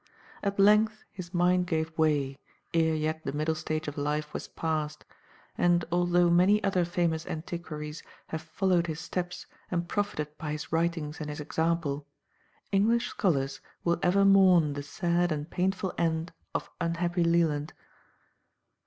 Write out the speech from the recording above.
At length his mind gave way, ere yet the middle stage of life was passed; and although many other famous antiquaries have followed his steps and profited by his writings and his example, English scholars will ever mourn the sad and painful end of unhappy Leland.